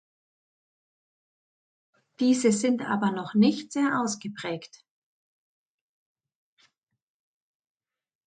Diese sind aber noch nicht sehr ausgeprägt.